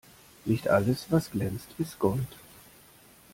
Nicht alles, was glänzt, ist Gold.